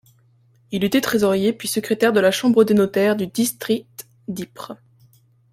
Il était trésorier puis secrétaire de la Chambre des notaires du district d'Ypres.